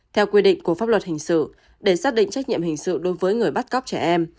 theo quy định của pháp luật hình sự để xác định trách nhiệm hình sự đối với người bắt cóc trẻ em